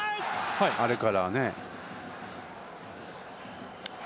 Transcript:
あれからはね。